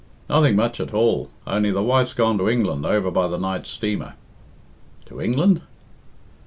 "Nothing much at all. Only the wife's gone to England over by the night's steamer." "To England?"